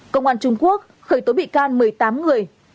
công an trung quốc khởi tố bị can một mươi tám người